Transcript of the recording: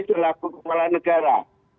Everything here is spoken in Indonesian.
selaku kepala negara